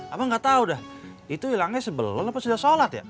abang gak tau dah itu hilangnya sebelum apa sudah sholat ya